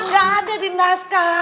gak ada di naskah